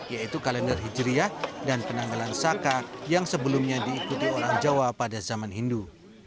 yaitu kalender hijriah dan penanggalan saka yang sebelumnya diikuti orang jawa pada zaman hindu